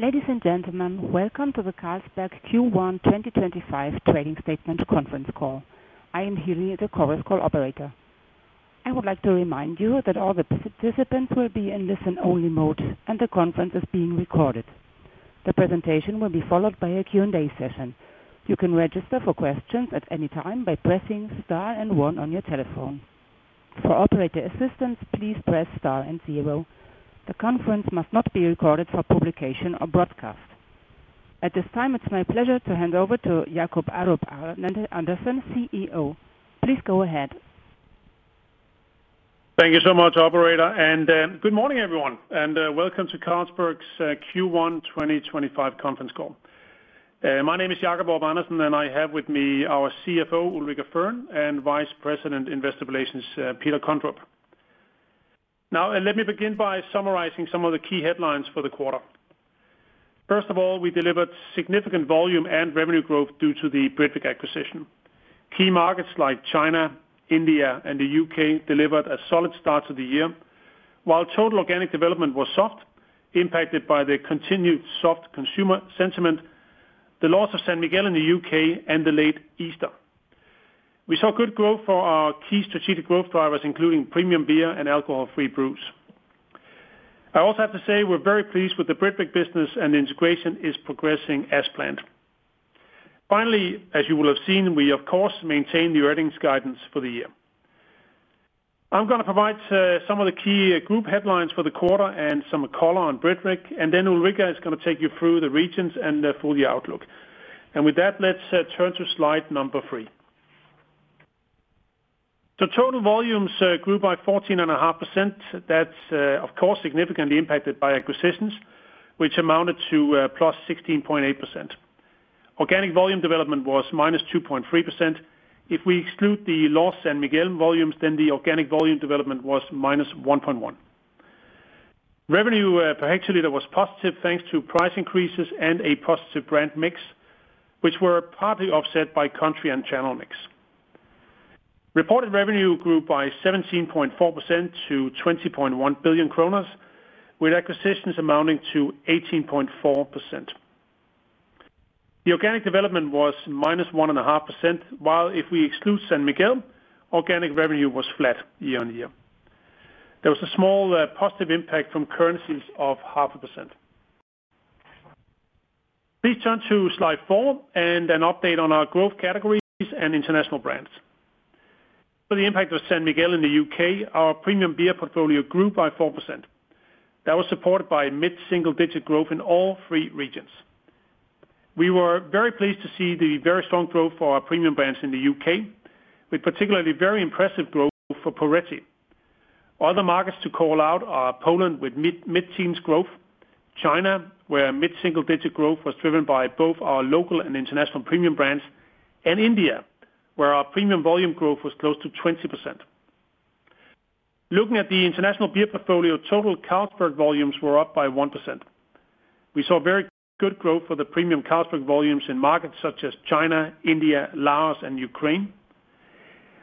Ladies and gentlemen, welcome to the Carlsberg Q1 2025 Trading Statement Conference call. I am Healy, the conference call operator. I would like to remind you that all the participants will be in listen-only mode, and the conference is being recorded. The presentation will be followed by a Q&A session. You can register for questions at any time by pressing star and one on your telephone. For operator assistance, please press star and zero. The conference must not be recorded for publication or broadcast. At this time, it's my pleasure to hand over to Jacob Aarup-Andersen, CEO. Please go ahead. Thank you so much, operator. Good morning, everyone, and welcome to Carlsberg's Q1 2025 conference call. My name is Jacob Aarup-Andersen, and I have with me our CFO, Ulrica Fearn, and Vice President Investor Relations, Peter Kondrup. Now, let me begin by summarizing some of the key headlines for the quarter. First of all, we delivered significant volume and revenue growth due to the Britvic acquisition. Key markets like China, India, and the U.K. delivered a solid start to the year, while total organic development was soft, impacted by the continued soft consumer sentiment, the loss of San Miguel in the U.K., and the late Easter. We saw good growth for our key strategic growth drivers, including premium beer and alcohol-free brews. I also have to say we're very pleased with the Britvic business, and the integration is progressing as planned. Finally, as you will have seen, we, of course, maintain the earnings guidance for the year. I'm going to provide some of the key group headlines for the quarter and some color on Britvic, and then Ulrica is going to take you through the regions and for the outlook. With that, let's turn to slide number three. The total volumes grew by 14.5%. That's, of course, significantly impacted by acquisitions, which amounted to +16.8%. Organic volume development was -2.3%. If we exclude the lost San Miguel volumes, then the organic volume development was -1.1%. Revenue per hectoliter was positive thanks to price increases and a positive brand mix, which were partly offset by country and channel mix. Reported revenue grew by 17.4% to 20.1 billion kroner, with acquisitions amounting to 18.4%. The organic development was -1.5%, while if we exclude San Miguel, organic revenue was flat year on year. There was a small positive impact from currencies of 0.5%. Please turn to slide four and an update on our growth categories and international brands. For the impact of San Miguel in the U.K., our premium beer portfolio grew by 4%. That was supported by mid-single-digit growth in all three regions. We were very pleased to see the very strong growth for our premium brands in the U.K., with particularly very impressive growth for Poretti. Other markets to call out are Poland with mid-teens growth, China, where mid-single-digit growth was driven by both our local and international premium brands, and India, where our premium volume growth was close to 20%. Looking at the international beer portfolio, total Carlsberg volumes were up by 1%. We saw very good growth for the premium Carlsberg volumes in markets such as China, India, Laos, and Ukraine.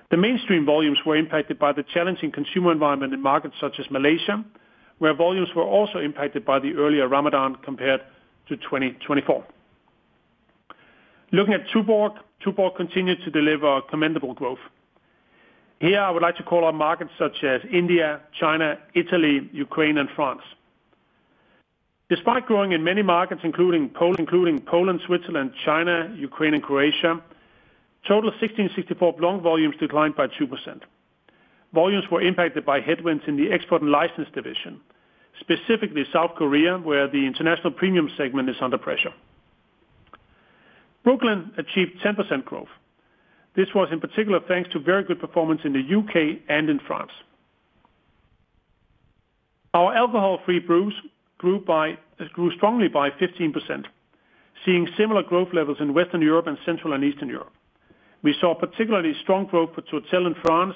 The mainstream volumes were impacted by the challenging consumer environment in markets such as Malaysia, where volumes were also impacted by the earlier Ramadan compared to 2024. Looking at Tuborg, Tuborg continued to deliver commendable growth. Here, I would like to call out markets such as India, China, Italy, Ukraine, and France. Despite growing in many markets, including Poland, Switzerland, China, Ukraine, and Croatia, total 1664 brand volumes declined by 2%. Volumes were impacted by headwinds in the export and license division, specifically South Korea, where the international premium segment is under pressure. Brooklyn achieved 10% growth. This was in particular thanks to very good performance in the U.K. and in France. Our alcohol-free brews grew strongly by 15%, seeing similar growth levels in Western Europe and Central and Eastern Europe. We saw particularly strong growth for Tourtel in France,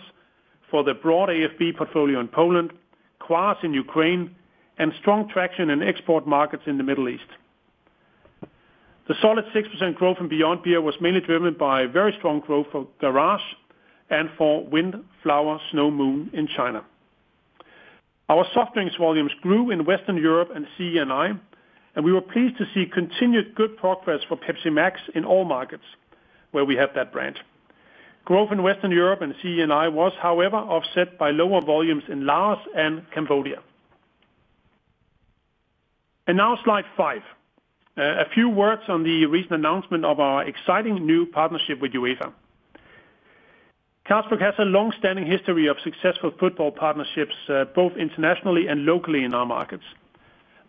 for the broad AFB portfolio in Poland, Kvas in Ukraine, and strong traction in export markets in the Middle East. The solid 6% growth in Beyond Beer was mainly driven by very strong growth for Garage and for Wind Flower Snow Moon in China. Our soft drinks volumes grew in Western Europe and CEEI, and we were pleased to see continued good progress for Pepsi Max in all markets where we have that brand. Growth in Western Europe and CEEI was, however, offset by lower volumes in Laos and Cambodia. Now slide five. A few words on the recent announcement of our exciting new partnership with UEFA. Carlsberg has a long-standing history of successful football partnerships, both internationally and locally in our markets.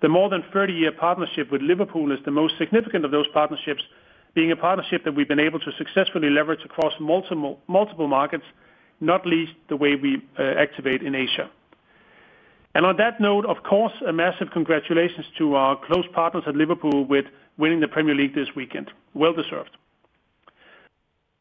The more than 30-year partnership with Liverpool is the most significant of those partnerships, being a partnership that we've been able to successfully leverage across multiple markets, not least the way we activate in Asia. On that note, of course, a massive congratulations to our close partners at Liverpool with winning the Premier League this weekend. Well deserved.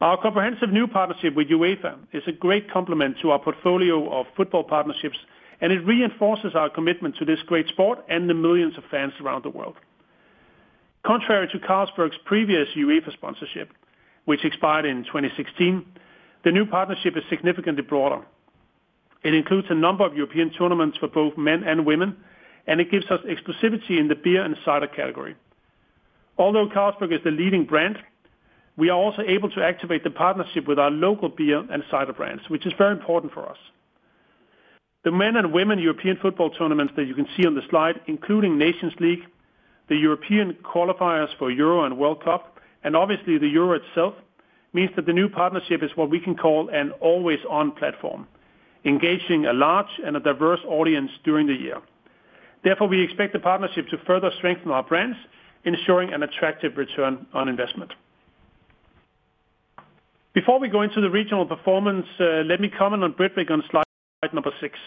Our comprehensive new partnership with UEFA is a great complement to our portfolio of football partnerships, and it reinforces our commitment to this great sport and the millions of fans around the world. Contrary to Carlsberg's previous UEFA sponsorship, which expired in 2016, the new partnership is significantly broader. It includes a number of European tournaments for both men and women, and it gives us exclusivity in the beer and cider category. Although Carlsberg is the leading brand, we are also able to activate the partnership with our local beer and cider brands, which is very important for us. The men and women European football tournaments that you can see on the slide, including Nations League, the European qualifiers for Euro and World Cup, and obviously the Euro itself, means that the new partnership is what we can call an always-on platform, engaging a large and a diverse audience during the year. Therefore, we expect the partnership to further strengthen our brands, ensuring an attractive return on investment. Before we go into the regional performance, let me comment on Britvic on slide number six.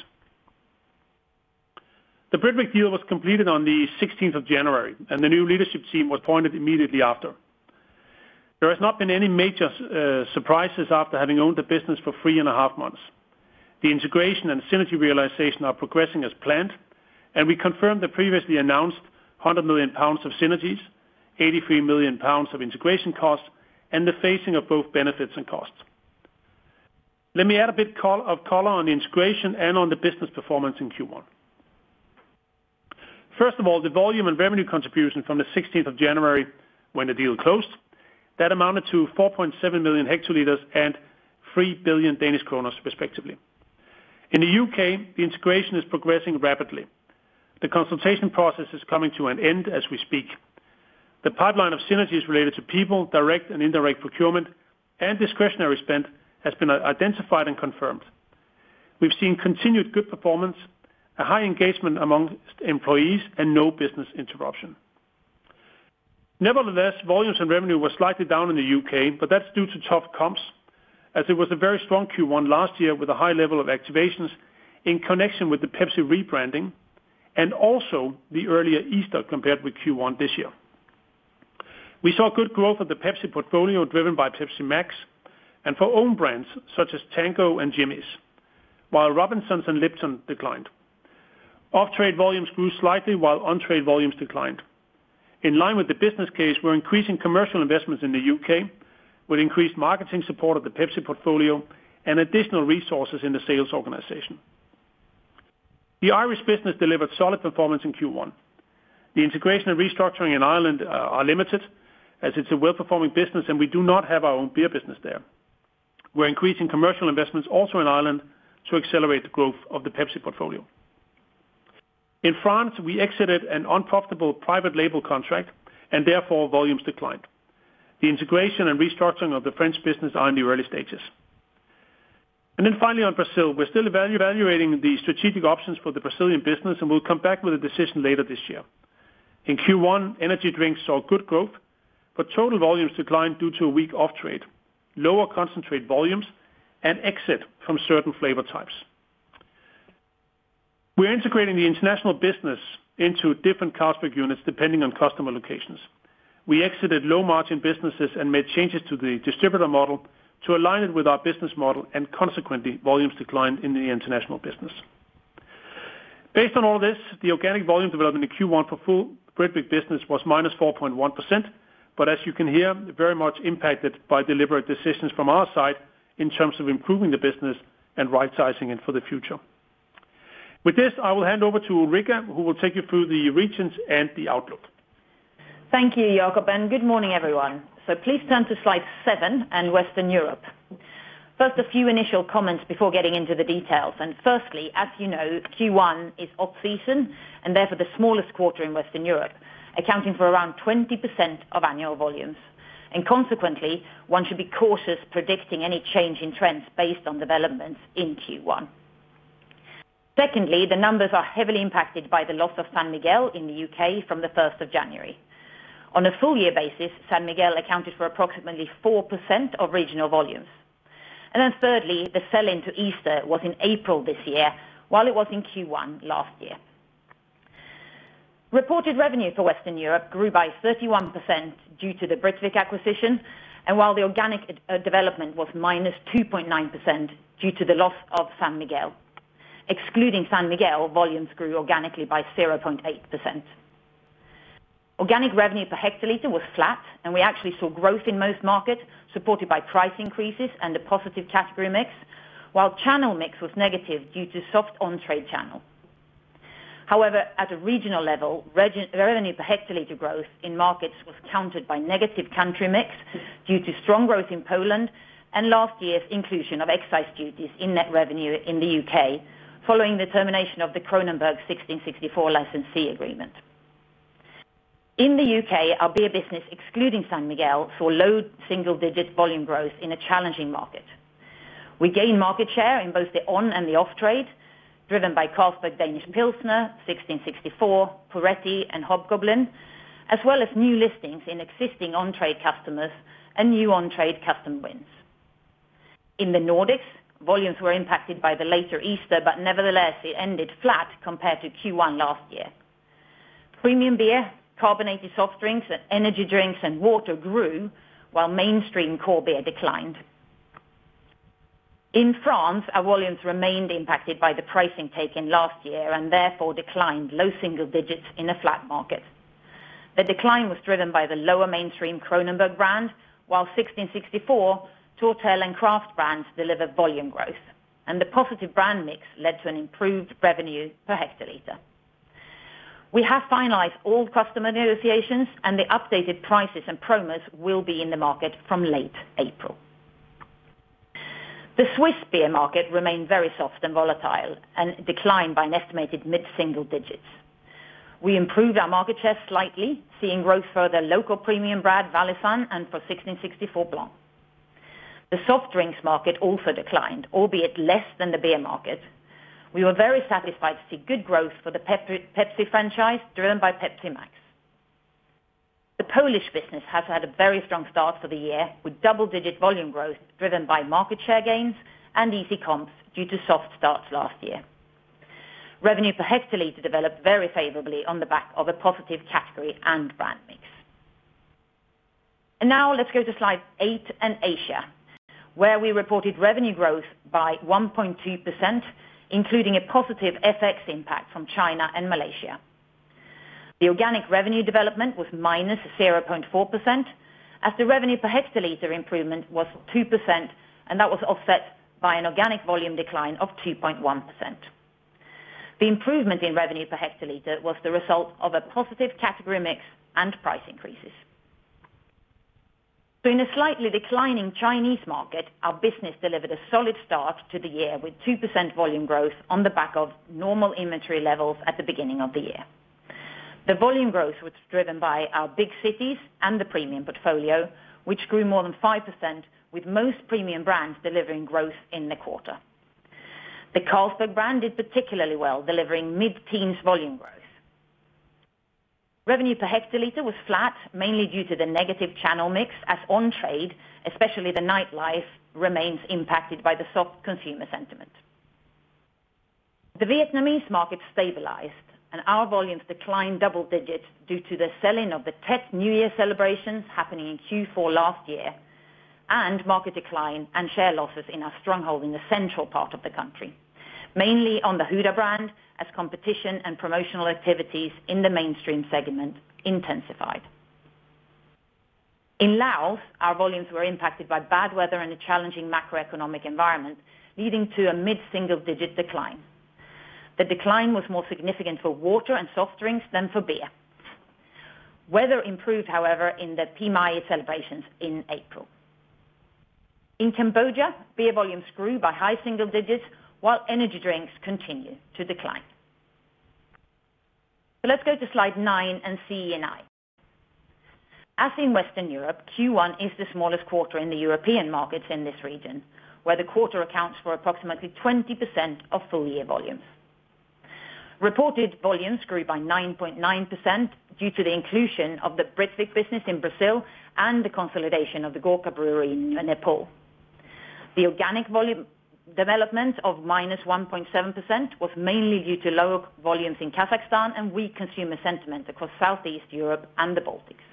The Britvic deal was completed on the 16th of January, and the new leadership team was appointed immediately after. There has not been any major surprises after having owned the business for three and a half months. The integration and synergy realization are progressing as planned, and we confirmed the previously announced 100 million pounds of synergies, 83 million pounds of integration costs, and the facing of both benefits and costs. Let me add a bit of color on the integration and on the business performance in Q1. First of all, the volume and revenue contribution from the 16th of January when the deal closed, that amounted to 4.7 million hectoliters and 3 billion Danish kroner, respectively. In the U.K., the integration is progressing rapidly. The consultation process is coming to an end as we speak. The pipeline of synergies related to people, direct and indirect procurement, and discretionary spend has been identified and confirmed. We've seen continued good performance, a high engagement amongst employees, and no business interruption. Nevertheless, volumes and revenue were slightly down in the U.K., but that's due to tough comps, as it was a very strong Q1 last year with a high level of activations in connection with the Pepsi rebranding and also the earlier Easter compared with Q1 this year. We saw good growth of the Pepsi portfolio driven by Pepsi Max and for own brands such as Tango and Jimmy's, while Robinsons and Lipton declined. Off-trade volumes grew slightly, while on-trade volumes declined. In line with the business case, we're increasing commercial investments in the U.K. with increased marketing support of the Pepsi portfolio and additional resources in the sales organization. The Irish business delivered solid performance in Q1. The integration and restructuring in Ireland are limited, as it's a well-performing business, and we do not have our own beer business there. We're increasing commercial investments also in Ireland to accelerate the growth of the Pepsi portfolio. In France, we exited an unprofitable private label contract, and therefore volumes declined. The integration and restructuring of the French business are in the early stages. Finally, on Brazil, we're still evaluating the strategic options for the Brazilian business, and we'll come back with a decision later this year. In Q1, energy drinks saw good growth, but total volumes declined due to a weak off-trade, lower concentrate volumes, and exit from certain flavor types. We're integrating the international business into different Carlsberg units depending on customer locations. We exited low-margin businesses and made changes to the distributor model to align it with our business model, and consequently, volumes declined in the international business. Based on all this, the organic volume development in Q1 for full Britvic business was minus 4.1%, but as you can hear, very much impacted by deliberate decisions from our side in terms of improving the business and right-sizing it for the future. With this, I will hand over to Ulrica, who will take you through the regions and the outlook. Thank you, Jacob, and good morning, everyone. Please turn to slide seven and Western Europe. First, a few initial comments before getting into the details. Firstly, as you know, Q1 is off-season and therefore the smallest quarter in Western Europe, accounting for around 20% of annual volumes. Consequently, one should be cautious predicting any change in trends based on developments in Q1. Secondly, the numbers are heavily impacted by the loss of San Miguel in the U.K. from the 1st of January. On a full-year basis, San Miguel accounted for approximately 4% of regional volumes. Thirdly, the sell-in to Easter was in April this year, while it was in Q1 last year. Reported revenue for Western Europe grew by 31% due to the Britvic acquisition, while the organic development was -2.9% due to the loss of San Miguel. Excluding San Miguel, volumes grew organically by 0.8%. Organic revenue per hectoliter was flat, and we actually saw growth in most markets supported by price increases and a positive category mix, while channel mix was negative due to soft on-trade channel. However, at a regional level, revenue per hectoliter growth in markets was countered by negative country mix due to strong growth in Poland and last year's inclusion of excise duties in net revenue in the U.K. following the termination of the Kronenbourg 1664 license agreement. In the U.K., our beer business, excluding San Miguel, saw low single-digit volume growth in a challenging market. We gained market share in both the on and the off-trade, driven by Carlsberg Danish Pilsner, 1664, Poretti, and Hobgoblin, as well as new listings in existing on-trade customers and new on-trade custom wins. In the Nordics, volumes were impacted by the later Easter, but nevertheless, it ended flat compared to Q1 last year. Premium beer, carbonated soft drinks, energy drinks, and water grew, while mainstream core beer declined. In France, our volumes remained impacted by the pricing taken last year and therefore declined low single digits in a flat market. The decline was driven by the lower mainstream Kronenbourg brand, while 1664, Tourtel, and craft brands delivered volume growth, and the positive brand mix led to an improved revenue per hectoliter. We have finalized all customer negotiations, and the updated prices and promos will be in the market from late April. The Swiss beer market remained very soft and volatile and declined by an estimated mid-single digits. We improved our market share slightly, seeing growth for the local premium brand, Valaisanne, and for 1664 Blanc. The soft drinks market also declined, albeit less than the beer market. We were very satisfied to see good growth for the Pepsi franchise driven by Pepsi Max. The Polish business has had a very strong start for the year, with double-digit volume growth driven by market share gains and easy comps due to soft starts last year. Revenue per hectoliter developed very favorably on the back of a positive category and brand mix. Now let's go to slide eight and Asia, where we reported revenue growth by 1.2%, including a positive FX impact from China and Malaysia. The organic revenue development was -0.4%, as the revenue per hectoliter improvement was 2%, and that was offset by an organic volume decline of 2.1%. The improvement in revenue per hectoliter was the result of a positive category mix and price increases. In a slightly declining Chinese market, our business delivered a solid start to the year with 2% volume growth on the back of normal inventory levels at the beginning of the year. The volume growth was driven by our big cities and the premium portfolio, which grew more than 5%, with most premium brands delivering growth in the quarter. The Carlsberg brand did particularly well, delivering mid-teens volume growth. Revenue per hectoliter was flat, mainly due to the negative channel mix, as on-trade, especially the nightlife, remains impacted by the soft consumer sentiment. The Vietnamese market stabilized, and our volumes declined double digits due to the sell-in of the Tet New Year celebrations happening in Q4 last year and market decline and share losses in our stronghold in the central part of the country, mainly on the Huda brand, as competition and promotional activities in the mainstream segment intensified. In Laos, our volumes were impacted by bad weather and a challenging macroeconomic environment, leading to a mid-single digit decline. The decline was more significant for water and soft drinks than for beer. Weather improved, however, in the Pi Mai celebrations in April. In Cambodia, beer volumes grew by high single digits, while energy drinks continue to decline. Let's go to slide nine and CEEI. As in Western Europe, Q1 is the smallest quarter in the European markets in this region, where the quarter accounts for approximately 20% of full-year volumes. Reported volumes grew by 9.9% due to the inclusion of the Britvic business in Brazil and the consolidation of the Gorkha Brewery in Nepal. The organic volume development of -1.7% was mainly due to lower volumes in Kazakhstan and weak consumer sentiment across Southeast Europe and the Baltics.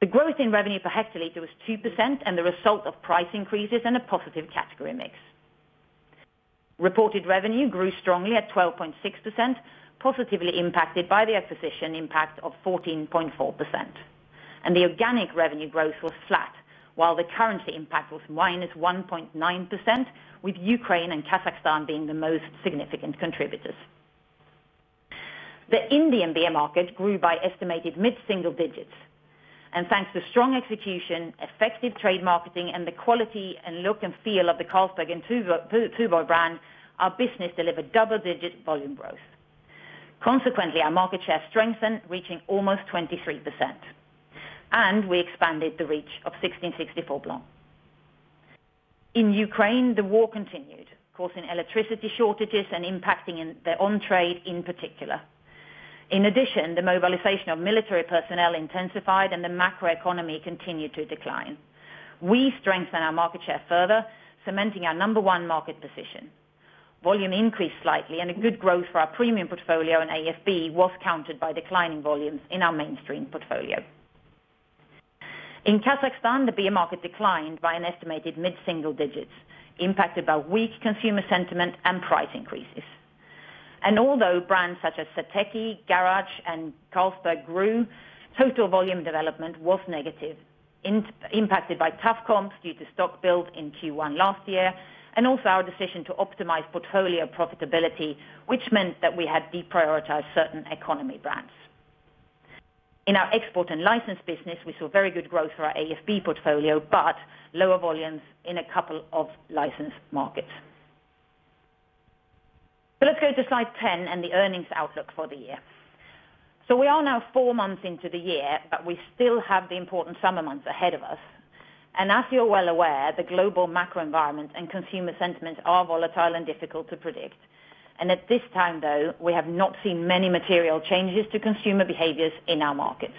The growth in revenue per hectoliter was 2% and the result of price increases and a positive category mix. Reported revenue grew strongly at 12.6%, positively impacted by the acquisition impact of 14.4%. The organic revenue growth was flat, while the currency impact was -1.9%, with Ukraine and Kazakhstan being the most significant contributors. The Indian beer market grew by estimated mid-single digits. Thanks to strong execution, effective trade marketing, and the quality and look and feel of the Carlsberg and Tuborg brand, our business delivered double-digit volume growth. Consequently, our market share strengthened, reaching almost 23%, and we expanded the reach of 1664 Blanc. In Ukraine, the war continued, causing electricity shortages and impacting the on-trade in particular. In addition, the mobilization of military personnel intensified and the macroeconomy continued to decline. We strengthened our market share further, cementing our number one market position. Volume increased slightly, and good growth for our premium portfolio and AFB was countered by declining volumes in our mainstream portfolio. In Kazakhstan, the beer market declined by an estimated mid-single digits, impacted by weak consumer sentiment and price increases. Although brands such as Žatecký, Garage, and Carlsberg grew, total volume development was negative, impacted by tough comps due to stock build in Q1 last year and also our decision to optimize portfolio profitability, which meant that we had deprioritized certain economy brands. In our export and license business, we saw very good growth for our AFB portfolio, but lower volumes in a couple of license markets. Let's go to slide 10 and the earnings outlook for the year. We are now four months into the year, but we still have the important summer months ahead of us. As you're well aware, the global macro environment and consumer sentiments are volatile and difficult to predict. At this time, though, we have not seen many material changes to consumer behaviors in our markets.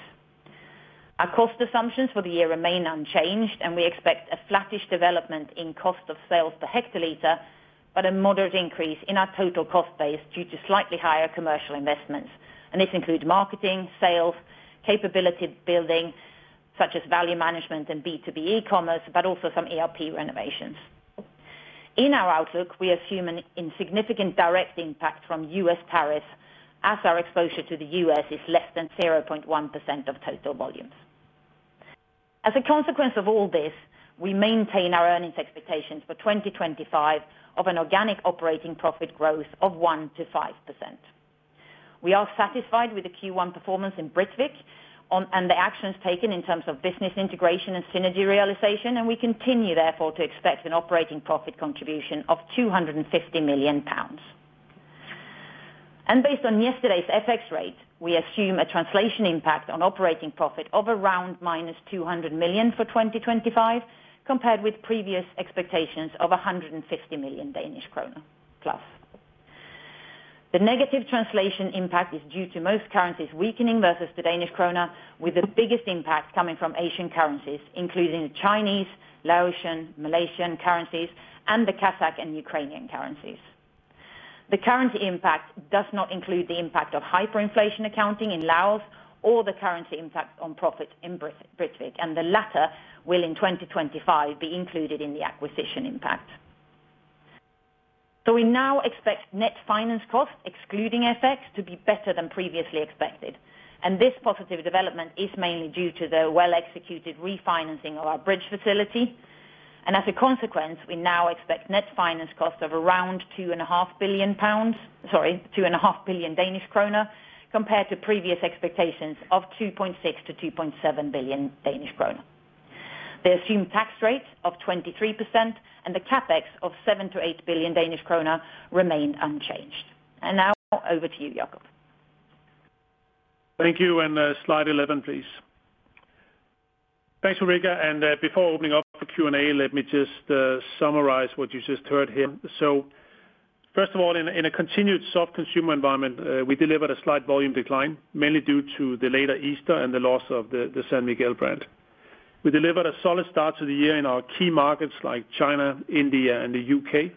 Our cost assumptions for the year remain unchanged, and we expect a flattish development in cost of sales per hectoliter, but a moderate increase in our total cost base due to slightly higher commercial investments. This includes marketing, sales, capability building such as value management and B2B e-commerce, but also some ERP renovations. In our outlook, we assume a significant direct impact from U.S. tariffs as our exposure to the U.S. is less than 0.1% of total volumes. As a consequence of all this, we maintain our earnings expectations for 2025 of an organic operating profit growth of 1%-5%. We are satisfied with the Q1 performance in Britvic and the actions taken in terms of business integration and synergy realization, and we continue therefore to expect an operating profit contribution of 250 million pounds. Based on yesterday's FX rate, we assume a translation impact on operating profit of around -200 million for 2025, compared with previous expectations of 150 million Danish krone+. The negative translation impact is due to most currencies weakening versus the Danish kroner, with the biggest impact coming from Asian currencies, including the Chinese, Laotian, Malaysian currencies, and the Kazakh and Ukrainian currencies. The currency impact does not include the impact of hyperinflation accounting in Laos or the currency impact on profits in Britvic, and the latter will in 2025 be included in the acquisition impact. We now expect net finance cost, excluding FX, to be better than previously expected. This positive development is mainly due to the well-executed refinancing of our bridge facility. As a consequence, we now expect net finance cost of around DKK 2.5 billion, compared to previous expectations of 2.6-2.7 billion Danish kroner. The assumed tax rate of 23% and the CapEx of 7 billion-8 billion Danish kroner remain unchanged. Now over to you, Jacob. Thank you. Slide 11, please. Thanks, Ulrica. Before opening up for Q&A, let me just summarize what you just heard here. First of all, in a continued soft consumer environment, we delivered a slight volume decline, mainly due to the later Easter and the loss of the San Miguel brand. We delivered a solid start to the year in our key markets like China, India, and the U.K.,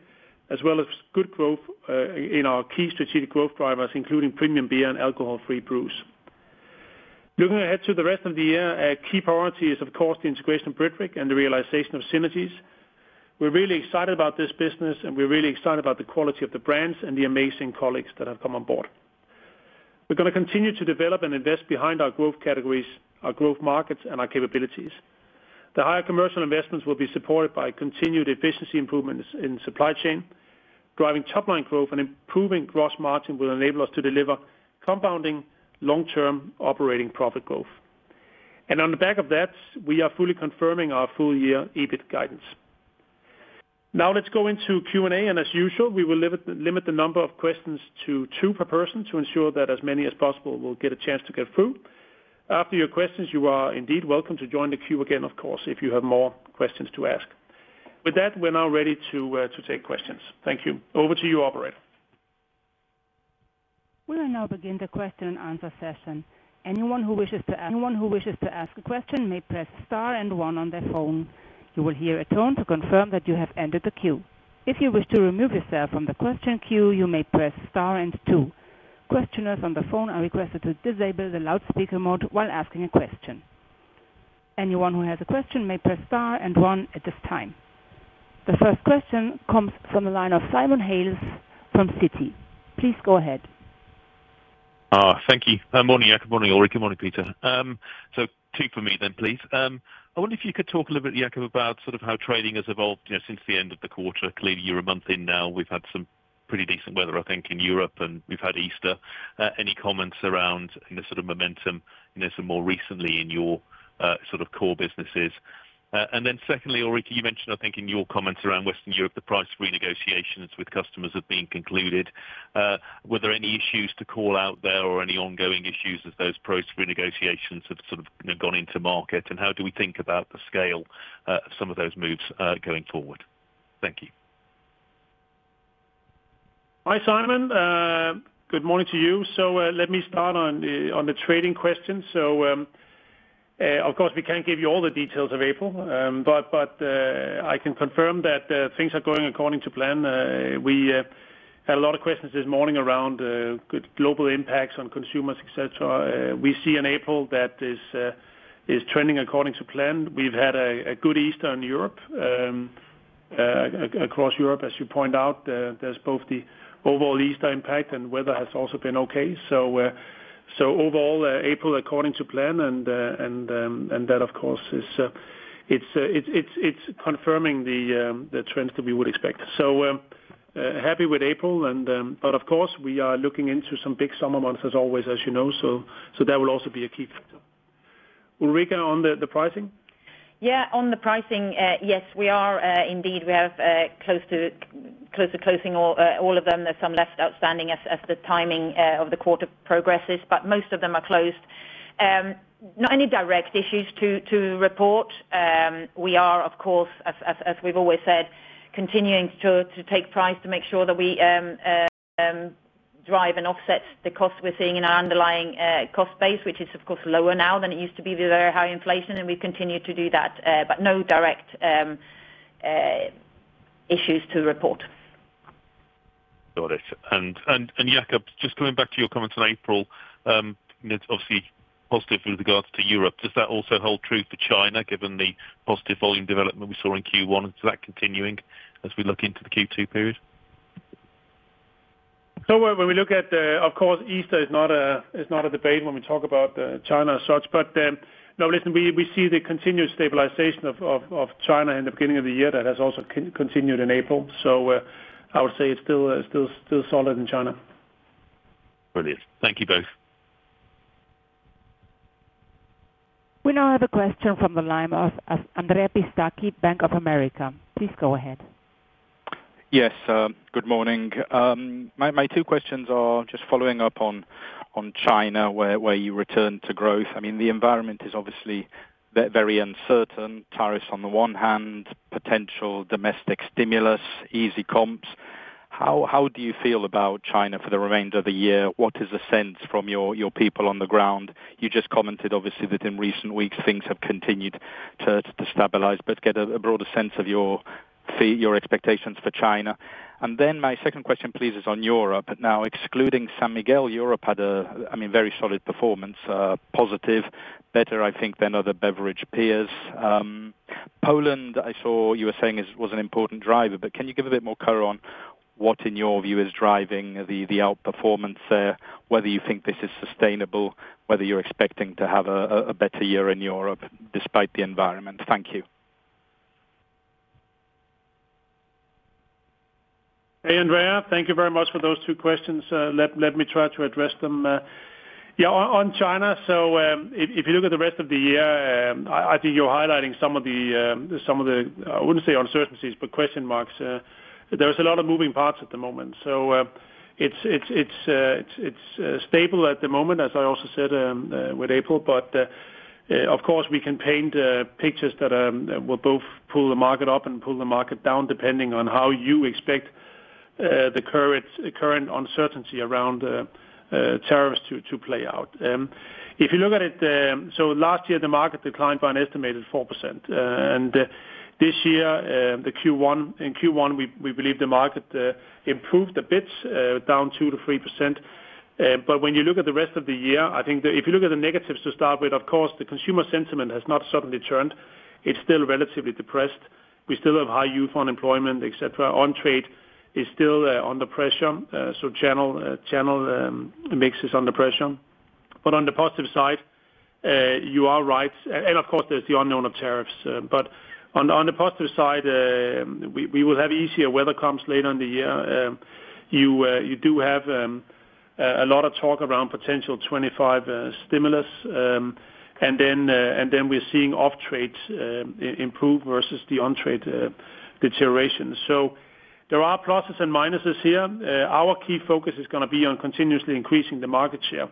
as well as good growth in our key strategic growth drivers, including premium beer and alcohol-free brews. Looking ahead to the rest of the year, a key priority is, of course, the integration of Britvic and the realization of synergies. We're really excited about this business, and we're really excited about the quality of the brands and the amazing colleagues that have come on board. We're going to continue to develop and invest behind our growth categories, our growth markets, and our capabilities. The higher commercial investments will be supported by continued efficiency improvements in supply chain, driving top-line growth, and improving gross margin will enable us to deliver compounding long-term operating profit growth. On the back of that, we are fully confirming our full-year EBIT guidance. Now let's go into Q&A. As usual, we will limit the number of questions to two per person to ensure that as many as possible will get a chance to get through. After your questions, you are indeed welcome to join the queue again, of course, if you have more questions to ask. With that, we're now ready to take questions. Thank you. Over to you, operator. We will now begin the question and answer session. Anyone who wishes to ask a question may press star and one on their phone. You will hear a tone to confirm that you have entered the queue. If you wish to remove yourself from the question queue, you may press star and two. Questioners on the phone are requested to disable the loudspeaker mode while asking a question. Anyone who has a question may press star and one at this time. The first question comes from the line of Simon Hales from Citi. Please go ahead. Thank you. Good morning, Jacob. Morning, Ulrica. Morning, Peter. Two for me then, please. I wonder if you could talk a little bit, Jacob, about sort of how trading has evolved since the end of the quarter. Clearly, you're a month in now. We've had some pretty decent weather, I think, in Europe, and we've had Easter. Any comments around the sort of momentum there some more recently in your sort of core businesses? Secondly, Ulrica, you mentioned, I think, in your comments around Western Europe, the price renegotiations with customers have been concluded. Were there any issues to call out there or any ongoing issues as those price renegotiations have sort of gone into market? How do we think about the scale of some of those moves going forward? Thank you. Hi, Simon. Good morning to you. Let me start on the trading questions. Of course, we can't give you all the details of April, but I can confirm that things are going according to plan. We had a lot of questions this morning around global impacts on consumers, etc. We see in April that is trending according to plan. We've had a good Easter in Europe. Across Europe, as you point out, there's both the overall Easter impact and weather has also been okay. Overall, April according to plan, and that, of course, is confirming the trends that we would expect. Happy with April, but of course, we are looking into some big summer months, as always, as you know. That will also be a key factor. Ulrica, on the pricing? Yeah, on the pricing, yes, we are indeed. We are close to closing all of them. There are some left outstanding as the timing of the quarter progresses, but most of them are closed. Not any direct issues to report. We are, of course, as we've always said, continuing to take price to make sure that we drive and offset the cost we're seeing in our underlying cost base, which is, of course, lower now than it used to be with very high inflation, and we continue to do that, but no direct issues to report. Got it. Jacob, just coming back to your comments on April, it's obviously positive with regards to Europe. Does that also hold true for China, given the positive volume development we saw in Q1? Is that continuing as we look into the Q2 period? When we look at, of course, Easter is not a debate when we talk about China as such, but no, listen, we see the continued stabilization of China in the beginning of the year that has also continued in April. I would say it's still solid in China. Brilliant. Thank you both. We now have a question from the line of Andrea Pistacchi, Bank of America. Please go ahead. Yes, good morning. My two questions are just following up on China, where you returned to growth. I mean, the environment is obviously very uncertain. Tariffs on the one hand, potential domestic stimulus, easy comps. How do you feel about China for the remainder of the year? What is the sense from your people on the ground? You just commented, obviously, that in recent weeks, things have continued to stabilize, but get a broader sense of your expectations for China. My second question, please, is on Europe. Now, excluding San Miguel, Europe had a very solid performance, positive, better, I think, than other beverage peers. Poland, I saw you were saying was an important driver, but can you give a bit more color on what, in your view, is driving the outperformance there, whether you think this is sustainable, whether you're expecting to have a better year in Europe despite the environment? Thank you. Hey, Andrea. Thank you very much for those two questions. Let me try to address them. Yeah, on China, if you look at the rest of the year, I think you're highlighting some of the, I wouldn't say uncertainties, but question marks. There's a lot of moving parts at the moment. It is stable at the moment, as I also said with April, but of course, we can paint pictures that will both pull the market up and pull the market down, depending on how you expect the current uncertainty around tariffs to play out. If you look at it, last year, the market declined by an estimated 4%. This year, in Q1, we believe the market improved a bit, down 2%-3%. When you look at the rest of the year, I think if you look at the negatives to start with, of course, the consumer sentiment has not suddenly turned. It's still relatively depressed. We still have high youth unemployment, etc. On-trade is still under pressure. Channel mix is under pressure. On the positive side, you are right. Of course, there is the unknown of tariffs. On the positive side, we will have easier weather comes later in the year. You do have a lot of talk around potential 2025 stimulus. We are seeing off-trade improve versus the on-trade deterioration. There are pluses and minuses here. Our key focus is going to be on continuously increasing the market share,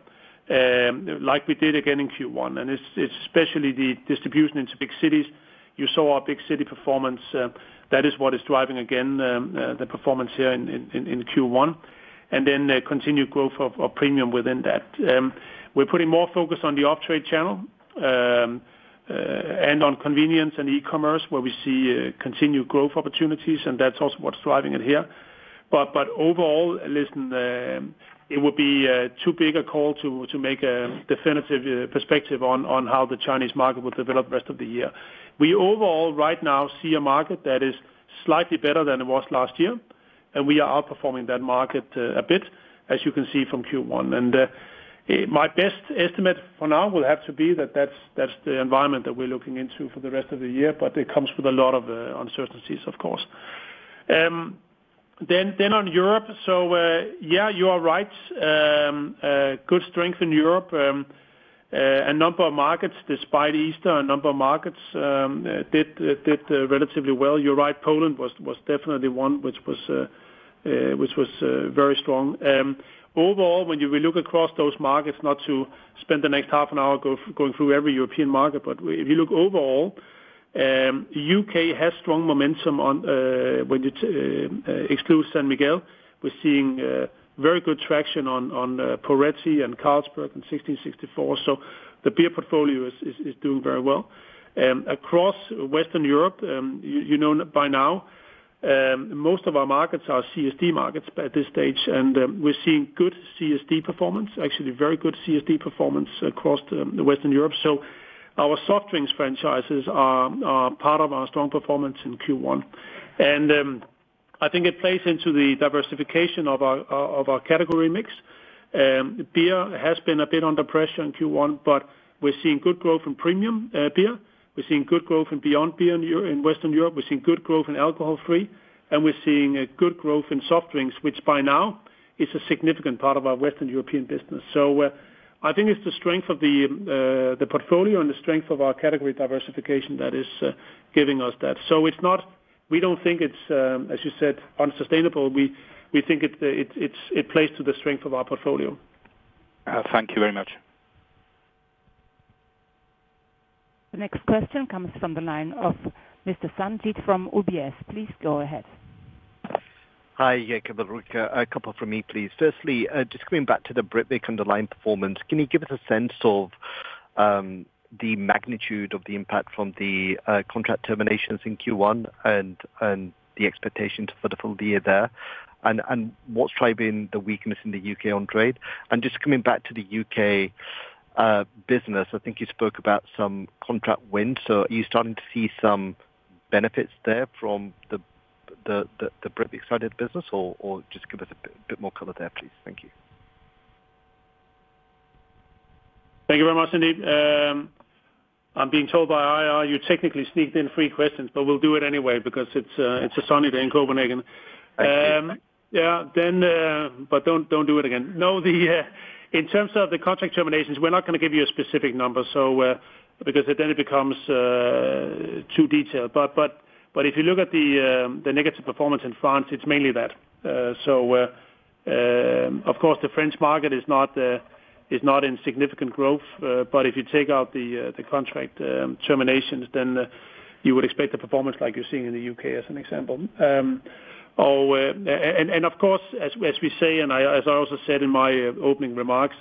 like we did again in Q1. It's especially the distribution into big cities. You saw our big city performance. That is what is driving, again, the performance here in Q1. Then continued growth of premium within that. We are putting more focus on the off-trade channel and on convenience and e-commerce, where we see continued growth opportunities. That is also what is driving it here. Overall, listen, it would be too big a call to make a definitive perspective on how the Chinese market will develop the rest of the year. We overall, right now, see a market that is slightly better than it was last year. We are outperforming that market a bit, as you can see from Q1. My best estimate for now will have to be that that is the environment that we are looking into for the rest of the year, but it comes with a lot of uncertainties, of course. On Europe, you are right. Good strength in Europe. A number of markets, despite Easter, a number of markets did relatively well. You're right. Poland was definitely one which was very strong. Overall, when you look across those markets, not to spend the next half an hour going through every European market, but if you look overall, U.K. has strong momentum when you exclude San Miguel. We're seeing very good traction on Poretti and Carlsberg and 1664. The beer portfolio is doing very well. Across Western Europe, you know by now, most of our markets are CSD markets at this stage. We're seeing good CSD performance, actually very good CSD performance across Western Europe. Our soft drinks franchises are part of our strong performance in Q1. I think it plays into the diversification of our category mix. Beer has been a bit under pressure in Q1, but we're seeing good growth in premium beer. We're seeing good growth in Beyond Beer in Western Europe. We're seeing good growth in alcohol-free. We're seeing good growth in soft drinks, which by now is a significant part of our Western European business. I think it's the strength of the portfolio and the strength of our category diversification that is giving us that. We don't think it's, as you said, unsustainable. We think it plays to the strength of our portfolio. Thank you very much. The next question comes from the line of Mr. Sanjeet from UBS. Please go ahead. Hi, Jacob and Ulrica. A couple from me, please. Firstly, just coming back to the Britvic underlying performance, can you give us a sense of the magnitude of the impact from the contract terminations in Q1 and the expectations for the full year there? What is driving the weakness in the U.K. on trade? Just coming back to the U.K. business, I think you spoke about some contract wind. Are you starting to see some benefits there from the Britvic side of business? Just give us a bit more color there, please. Thank you. Thank you very much, indeed. I'm being told by IR you technically sneaked in three questions, but we'll do it anyway because it's a sunny day in Copenhagen. Yeah, but don't do it again. No, in terms of the contract terminations, we're not going to give you a specific number because then it becomes too detailed. If you look at the negative performance in France, it's mainly that. Of course, the French market is not in significant growth, but if you take out the contract terminations, then you would expect the performance like you're seeing in the U.K., as an example. Of course, as we say, and as I also said in my opening remarks,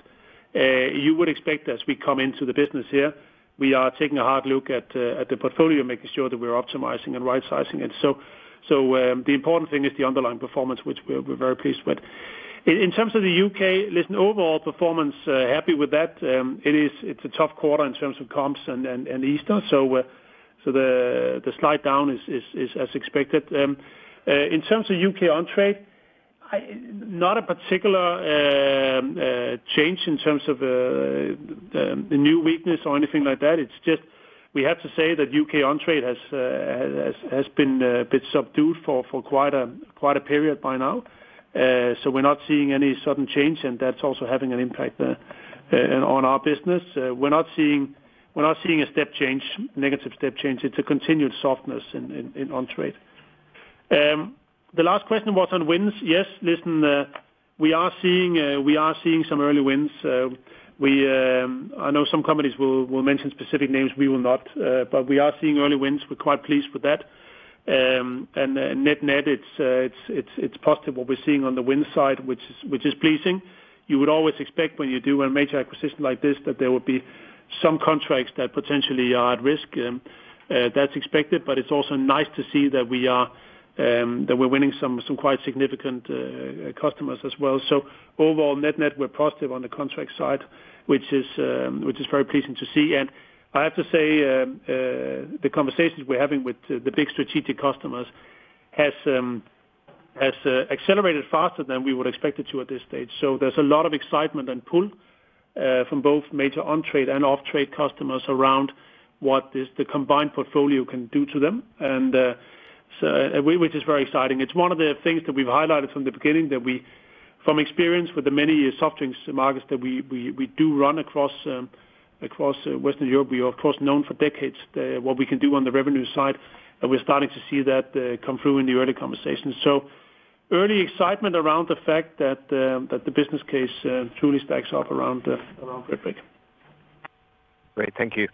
you would expect as we come into the business here, we are taking a hard look at the portfolio, making sure that we're optimizing and right-sizing it. The important thing is the underlying performance, which we're very pleased with. In terms of the U.K., listen, overall performance, happy with that. It's a tough quarter in terms of comps and Easter. The slide down is as expected. In terms of U.K. on trade, not a particular change in terms of the new weakness or anything like that. It's just we have to say that U.K. on trade has been a bit subdued for quite a period by now. We're not seeing any sudden change, and that's also having an impact on our business. We're not seeing a step change, negative step change. It's a continued softness on trade. The last question was on wins. Yes, listen, we are seeing some early wins. I know some companies will mention specific names. We will not, but we are seeing early wins. We're quite pleased with that. Net-net, it's positive what we're seeing on the wind side, which is pleasing. You would always expect when you do a major acquisition like this that there would be some contracts that potentially are at risk. That's expected, but it's also nice to see that we're winning some quite significant customers as well. Overall, net-net, we're positive on the contract side, which is very pleasing to see. I have to say the conversations we're having with the big strategic customers has accelerated faster than we would expect it to at this stage. There's a lot of excitement and pull from both major on-trade and off-trade customers around what the combined portfolio can do to them, which is very exciting. It's one of the things that we've highlighted from the beginning that we, from experience with the many soft drinks markets that we do run across Western Europe, we are of course known for decades what we can do on the revenue side. We're starting to see that come through in the early conversations. Early excitement around the fact that the business case truly stacks up around Britvic. Great. Thank you.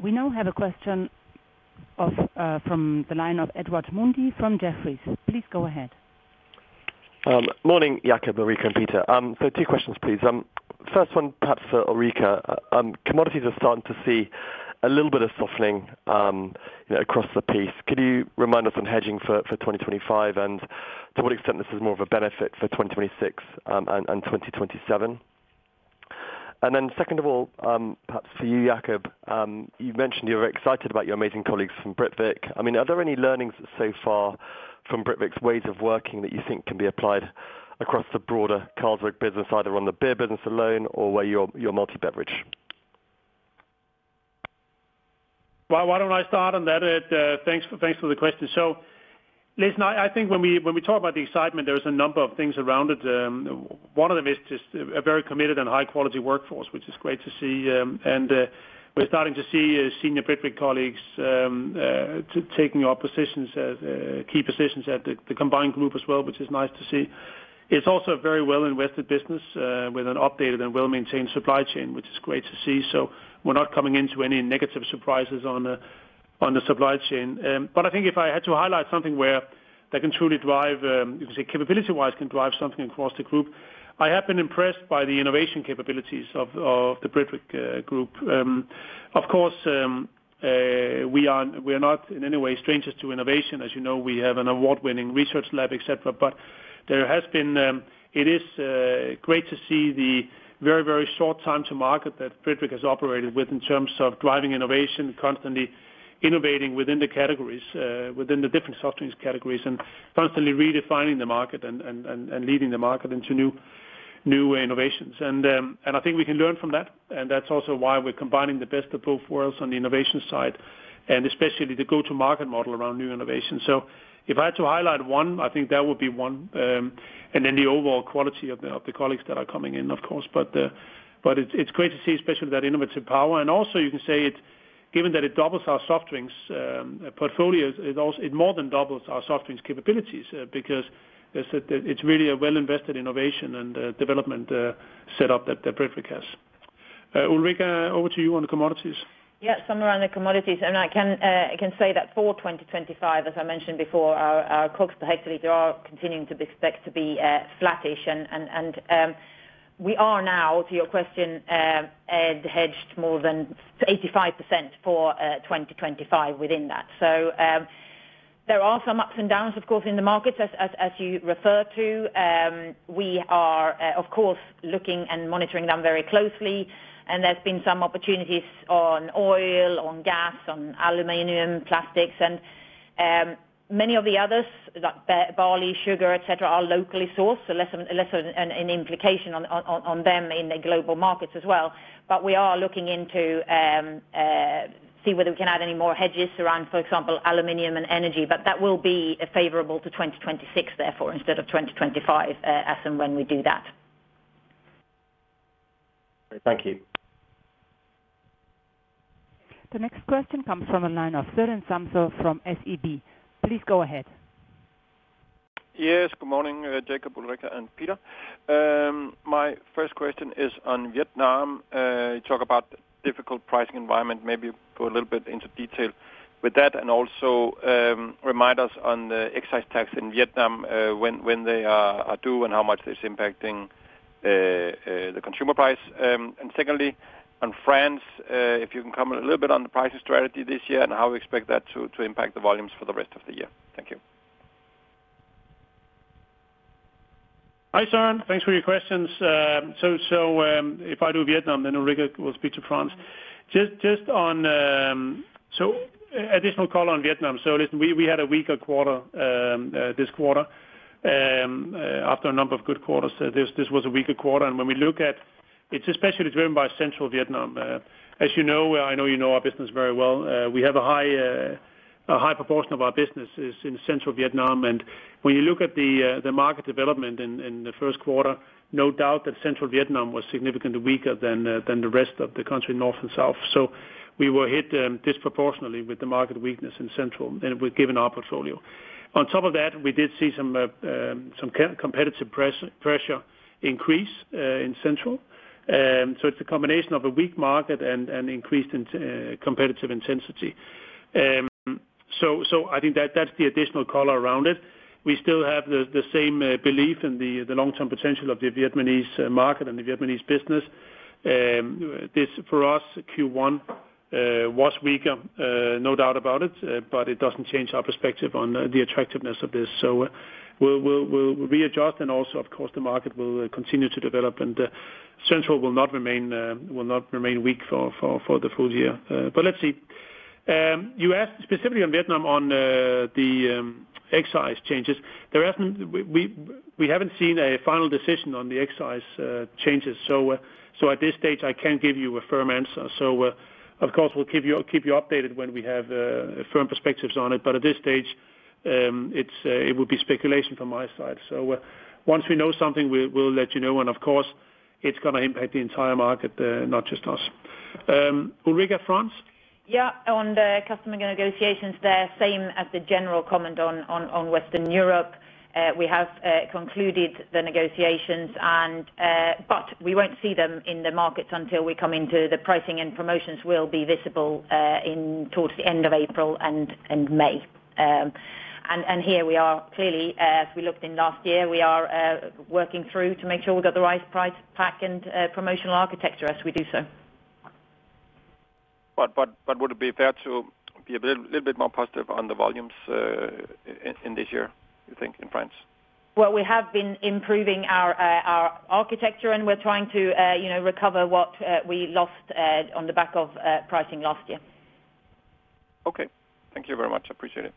We now have a question from the line of Edward Mundy from Jefferies. Please go ahead. Morning, Jacob, Ulrica, and Peter. Two questions, please. First one, perhaps for Ulrica. Commodities are starting to see a little bit of softening across the piece. Could you remind us on hedging for 2025, and to what extent this is more of a benefit for 2026 and 2027? Second of all, perhaps for you, Jacob, you mentioned you're excited about your amazing colleagues from Britvic. I mean, are there any learnings so far from Britvic's ways of working that you think can be applied across the broader Carlsberg business, either on the beer business alone or where you're multi-beverage? I think when we talk about the excitement, there's a number of things around it. One of them is just a very committed and high-quality workforce, which is great to see. We're starting to see senior Britvic colleagues taking up key positions at the combined group as well, which is nice to see. It's also a very well-invested business with an updated and well-maintained supply chain, which is great to see. We're not coming into any negative surprises on the supply chain. If I had to highlight something where they can truly drive, you can say capability-wise, can drive something across the group, I have been impressed by the innovation capabilities of the Britvic group. Of course, we are not in any way strangers to innovation. As you know, we have an award-winning research lab, etc. It is great to see the very, very short time to market that Britvic has operated with in terms of driving innovation, constantly innovating within the categories, within the different soft drinks categories, and constantly redefining the market and leading the market into new innovations. I think we can learn from that. That is also why we are combining the best of both worlds on the innovation side, and especially the go-to-market model around new innovation. If I had to highlight one, I think that would be one. The overall quality of the colleagues that are coming in, of course, is also important. It is great to see, especially that innovative power. You can say, given that it doubles our soft drinks portfolio, it more than doubles our soft drinks capabilities because it is really a well-invested innovation and development setup that Britvic has. Ulrica, over to you on the commodities. Yeah, summary on the commodities. I can say that for 2025, as I mentioned before, our COGS per hectoliter are continuing to be expected to be flattish. We are now, to your question, hedged more than 85% for 2025 within that. There are some ups and downs, of course, in the markets, as you referred to. We are, of course, looking and monitoring them very closely. There have been some opportunities on oil, on gas, on aluminum, plastics. Many of the others, like barley, sugar, etc., are locally sourced, so less of an implication on them in the global markets as well. We are looking into seeing whether we can add any more hedges around, for example, aluminum and energy. That will be favorable to 2026, therefore, instead of 2025, as and when we do that. Thank you. The next question comes from the line of Søren Samsøe from SEB. Please go ahead. Yes, good morning, Jacob, Ulrica, and Peter. My first question is on Vietnam. You talk about the difficult pricing environment, maybe go a little bit into detail with that, and also remind us on the excise tax in Vietnam when they are due and how much this is impacting the consumer price. Secondly, on France, if you can comment a little bit on the pricing strategy this year and how we expect that to impact the volumes for the rest of the year. Thank you. Hi, Sir. Thanks for your questions. If I do Vietnam, then Ulrica will speak to France. Just on, so additional call on Vietnam. Listen, we had a weaker quarter this quarter after a number of good quarters. This was a weaker quarter. When we look at it, it is especially driven by Central Vietnam. As you know, I know you know our business very well. We have a high proportion of our business in Central Vietnam. When you look at the market development in the first quarter, no doubt that Central Vietnam was significantly weaker than the rest of the country, North and South. We were hit disproportionately with the market weakness in Central given our portfolio. On top of that, we did see some competitive pressure increase in Central. It is a combination of a weak market and increased competitive intensity. I think that's the additional color around it. We still have the same belief in the long-term potential of the Vietnamese market and the Vietnamese business. For us, Q1 was weaker, no doubt about it, but it doesn't change our perspective on the attractiveness of this. We'll readjust. Also, of course, the market will continue to develop, and Central will not remain weak for the full year. Let's see. You asked specifically on Vietnam on the excise changes. We haven't seen a final decision on the excise changes. At this stage, I can't give you a firm answer. Of course, we'll keep you updated when we have firm perspectives on it. At this stage, it would be speculation from my side. Once we know something, we'll let you know. Of course, it's going to impact the entire market, not just us. Ulrica, France? Yeah. On the customer negotiations, they're same as the general comment on Western Europe. We have concluded the negotiations, but we won't see them in the markets until we come into the pricing and promotions will be visible towards the end of April and May. Here we are clearly, as we looked in last year, we are working through to make sure we've got the right price pack and promotional architecture as we do so. Would it be fair to be a little bit more positive on the volumes in this year, you think, in France? We have been improving our architecture, and we're trying to recover what we lost on the back of pricing last year. Okay. Thank you very much. Appreciate it.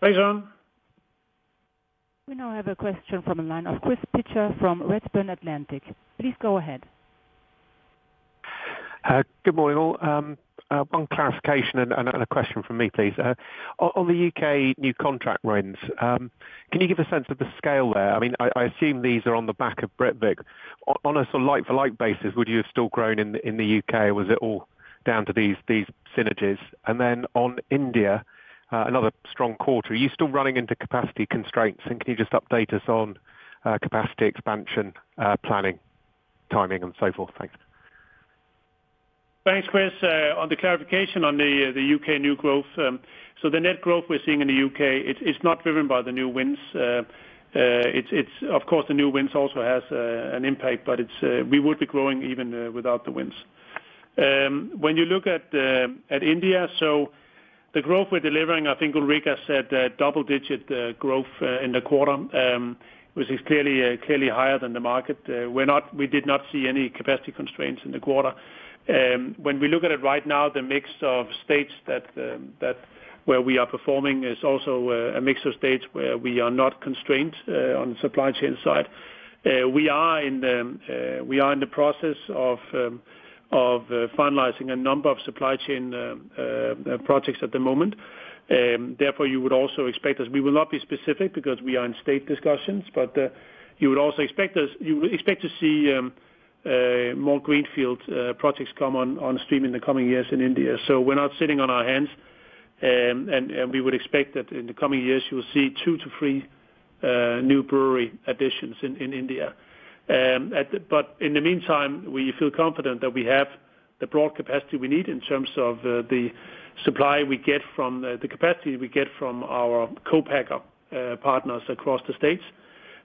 Thanks, Sir. We now have a question from the line of Chris Pitcher from Redburn Atlantic. Please go ahead. Good morning. One clarification and a question from me, please. On the U.K. new contract wins, can you give a sense of the scale there? I mean, I assume these are on the back of Britvic. On a sort of like-for-like basis, would you have still grown in the U.K., or was it all down to these synergies? On India, another strong quarter. Are you still running into capacity constraints? Can you just update us on capacity expansion planning, timing, and so forth? Thanks. Thanks, Chris. On the clarification on the U.K. new growth, the net growth we're seeing in the U.K., it's not driven by the new wins. Of course, the new wins also has an impact, but we would be growing even without the wins. When you look at India, the growth we're delivering, I think Ulrica said, double-digit growth in the quarter, which is clearly higher than the market. We did not see any capacity constraints in the quarter. When we look at it right now, the mix of states where we are performing is also a mix of states where we are not constrained on the supply chain side. We are in the process of finalizing a number of supply chain projects at the moment. Therefore, you would also expect us—we will not be specific because we are in state discussions—but you would also expect us, you would expect to see more greenfield projects come on stream in the coming years in India. We are not sitting on our hands. We would expect that in the coming years, you will see two to three new brewery additions in India. In the meantime, we feel confident that we have the broad capacity we need in terms of the supply we get from the capacity we get from our co-packer partners across the states.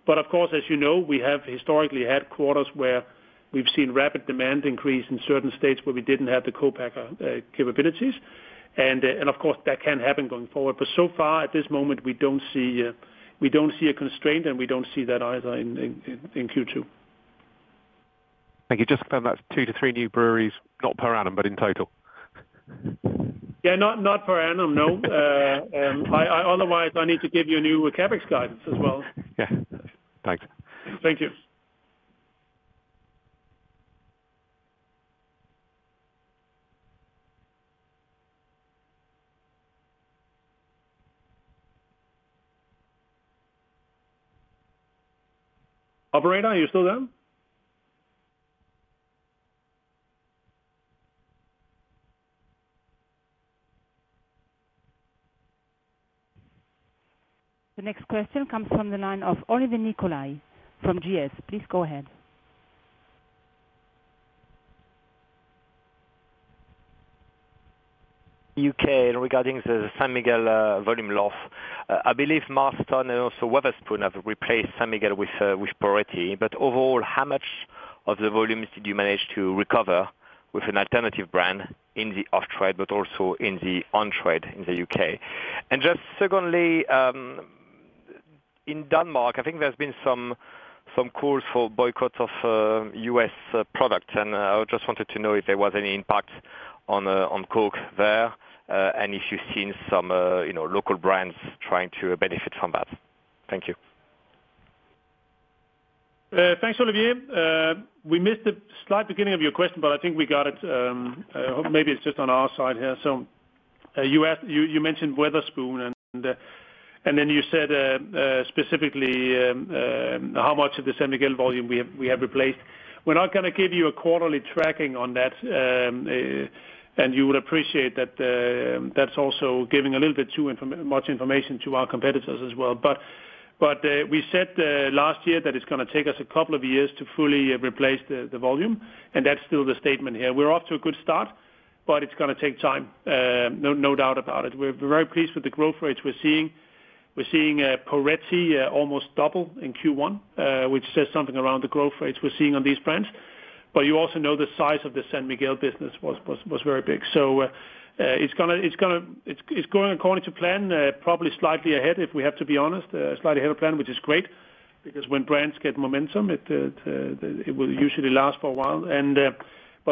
Of course, as you know, we have historically had quarters where we have seen rapid demand increase in certain states where we did not have the co-packer capabilities. Of course, that can happen going forward. At this moment, we don't see a constraint, and we don't see that either in Q2. Thank you. Just confirm that's two to three new breweries, not per annum, but in total. Yeah, not per annum, no. Otherwise, I need to give you a new CapEx guidance as well. Yeah. Thanks. Thank you. Operator, are you still there? The next question comes from the line of Olivier Nicolai from GS. Please go ahead. U.K. regarding the San Miguel volume loss, I believe Marston's and also Wetherspoons have replaced San Miguel with Britvic. Overall, how much of the volumes did you manage to recover with an alternative brand in the off-trade, but also in the on-trade in the U.K.? Secondly, in Denmark, I think there's been some calls for boycotts of U.S. products. I just wanted to know if there was any impact on Coke there and if you've seen some local brands trying to benefit from that. Thank you. Thanks, Olivier. We missed the slight beginning of your question, but I think we got it. Maybe it's just on our side here. You mentioned Wetherspoons, and then you said specifically how much of the San Miguel volume we have replaced. We're not going to give you a quarterly tracking on that, and you would appreciate that that's also giving a little bit too much information to our competitors as well. We said last year that it's going to take us a couple of years to fully replace the volume, and that's still the statement here. We're off to a good start, but it's going to take time, no doubt about it. We're very pleased with the growth rates we're seeing. We're seeing Britvic almost double in Q1, which says something around the growth rates we're seeing on these brands. You also know the size of the San Miguel business was very big. It is going according to plan, probably slightly ahead, if we have to be honest, slightly ahead of plan, which is great because when brands get momentum, it will usually last for a while.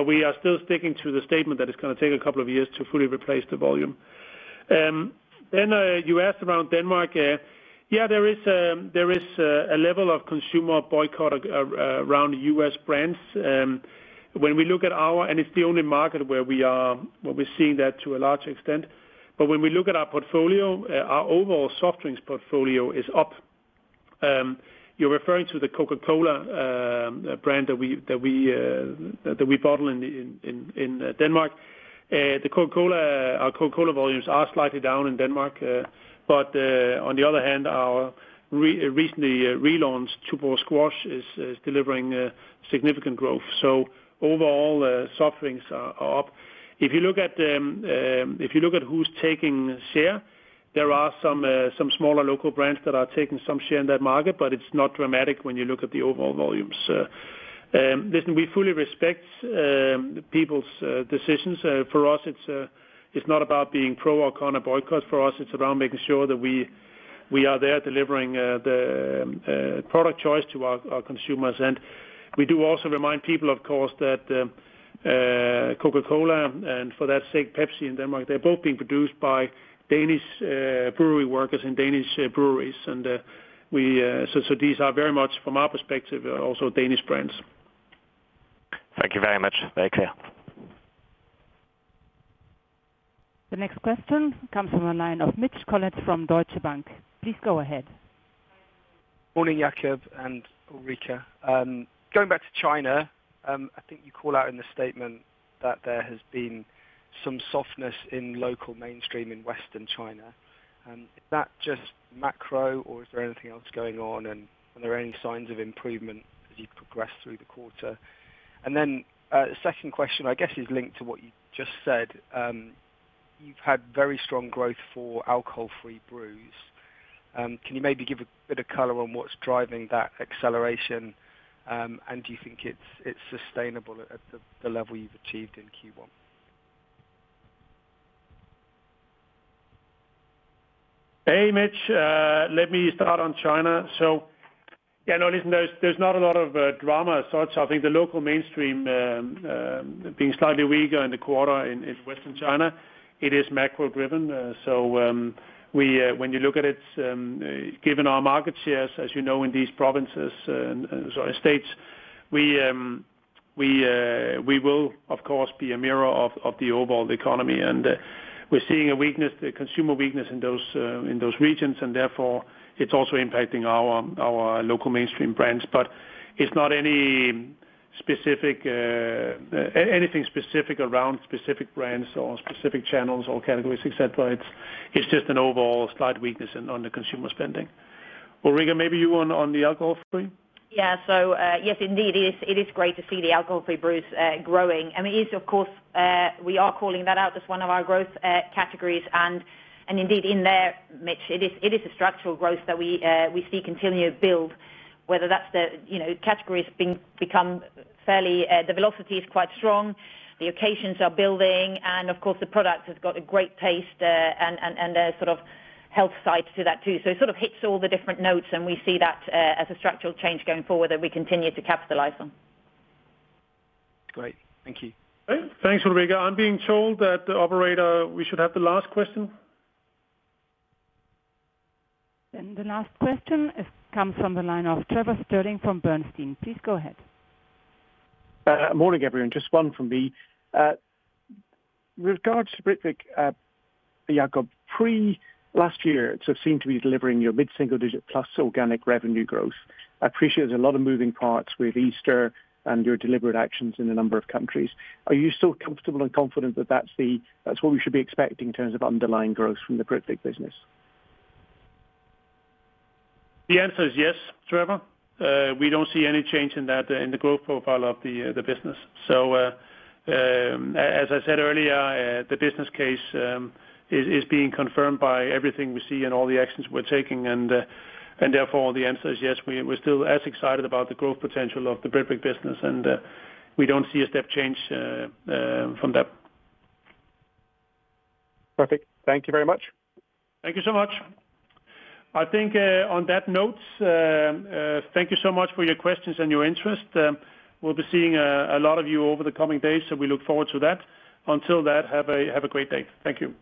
We are still sticking to the statement that it is going to take a couple of years to fully replace the volume. You asked around Denmark. There is a level of consumer boycott around U.S. brands. When we look at our, and it is the only market where we are seeing that to a large extent. When we look at our portfolio, our overall soft drinks portfolio is up. You are referring to the Coca-Cola brand that we bottle in Denmark. Our Coca-Cola volumes are slightly down in Denmark. On the other hand, our recently relaunched Tuborg Squash is delivering significant growth. Overall, soft drinks are up. If you look at who is taking share, there are some smaller local brands that are taking some share in that market, but it is not dramatic when you look at the overall volumes. Listen, we fully respect people's decisions. For us, it is not about being pro or con a boycott. For us, it is about making sure that we are there delivering the product choice to our consumers. We do also remind people, of course, that Coca-Cola and, for that sake, Pepsi in Denmark, are both being produced by Danish brewery workers in Danish breweries. These are very much, from our perspective, also Danish brands. Thank you very much. Very clear. The next question comes from the line of Mitch Collett from Deutsche Bank. Please go ahead. Morning, Jacob and Ulrica. Going back to China, I think you call out in the statement that there has been some softness in local mainstream in Western China. Is that just macro, or is there anything else going on? Are there any signs of improvement as you progress through the quarter? The second question, I guess, is linked to what you just said. You've had very strong growth for alcohol-free brews. Can you maybe give a bit of color on what's driving that acceleration? Do you think it's sustainable at the level you've achieved in Q1? Hey, Mitch. Let me start on China. Yeah, no, listen, there's not a lot of drama as such. I think the local mainstream being slightly weaker in the quarter in Western China, it is macro-driven. When you look at it, given our market shares, as you know, in these provinces and states, we will, of course, be a mirror of the overall economy. We're seeing a weakness, the consumer weakness in those regions. Therefore, it's also impacting our local mainstream brands. It's not anything specific around specific brands or specific channels or categories, etc. It's just an overall slight weakness on the consumer spending. Ulrica, maybe you on the alcohol-free? Yeah. Yes, indeed, it is great to see the alcohol-free brews growing. It is, of course, we are calling that out as one of our growth categories. Indeed, in there, Mitch, it is a structural growth that we see continue to build, whether that's the category has become fairly the velocity is quite strong, the occasions are building, and of course, the products have got a great taste and a sort of health side to that too. It sort of hits all the different notes, and we see that as a structural change going forward that we continue to capitalize on. Great. Thank you. Thanks, Ulrica. I'm being told that, Operator, we should have the last question. The last question comes from the line of Trevor Stirling from Bernstein. Please go ahead. Morning, everyone. Just one from me. With regards to Britvic, Jacob, pre-last year, it seemed to be delivering your mid-single-digit plus organic revenue growth. I appreciate there's a lot of moving parts with Easter and your deliberate actions in a number of countries. Are you still comfortable and confident that that's what we should be expecting in terms of underlying growth from the Britvic business? The answer is yes, Trevor. We do not see any change in the growth profile of the business. As I said earlier, the business case is being confirmed by everything we see and all the actions we are taking. Therefore, the answer is yes. We are still as excited about the growth potential of the Britvic business, and we do not see a step change from that. Perfect. Thank you very much. Thank you so much. I think on that note, thank you so much for your questions and your interest. We'll be seeing a lot of you over the coming days, so we look forward to that. Until that, have a great day. Thank you.